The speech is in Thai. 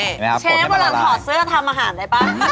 เชฟเวลาถอดเสื้อจะทำอาหารได้ป่ะ